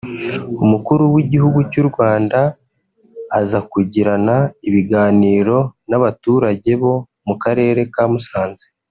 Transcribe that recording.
Umukuru w’igihugu cy’ u Rwanda aza kugirana ibiganiro n’abaturage bo mu karere ka Musanze